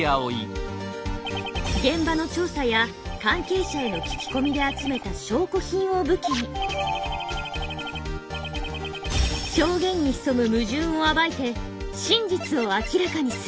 現場の調査や関係者への聞き込みで集めた証拠品を武器に証言に潜むムジュンを暴いて真実を明らかにする。